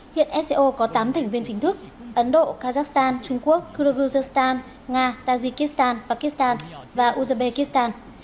hiện sco có tám thành viên chính thức ấn độ kazakhstan trung quốc kyrgyzstan nga tajikistan pakistan và uzbekistan